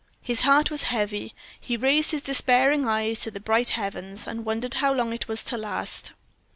His heart was heavy. He raised his despairing eyes to the bright heavens, and wondered how long it was to last.